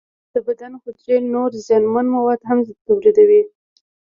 د بدن حجرې نور زیانمن مواد هم تولیدوي.